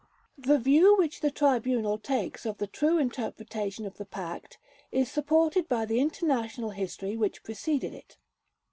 The view which the Tribunal takes of the true interpretation of the Pact is supported by the international history which preceded it.